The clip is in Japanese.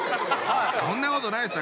そんなことないです